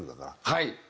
はい。